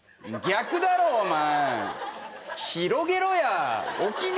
逆だろお前。